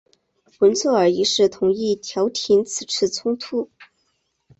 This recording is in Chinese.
文策尔一世同意调停此次冲突。